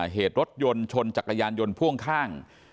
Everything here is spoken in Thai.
เหตุรถยนต์ชนจักรยานยนต์พ่วงข้าง